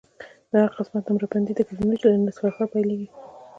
د هر قسمت نمره بندي د ګرینویچ له نصف النهار پیلیږي